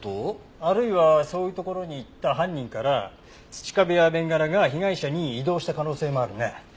あるいはそういう所に行った犯人から土壁やベンガラが被害者に移動した可能性もあるね。